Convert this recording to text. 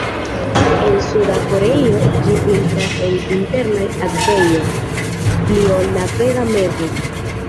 En Suda Koreio ĝi vintras en internaj akvejoj pli ol la Vega mevo.